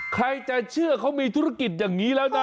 ใครจะเชื่อเขามีธุรกิจอย่างนี้แล้วนะ